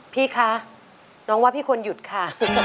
พี่คะน้องว่าพี่ควรหยุดค่ะ